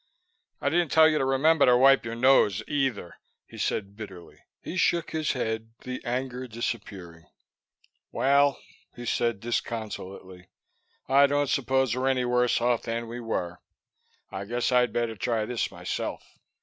"I didn't tell you to remember to wipe your nose either," he said bitterly. He shook his head, the anger disappearing. "Well," he said disconsolately, "I don't suppose we're any worse off than we were. I guess I'd better try this myself."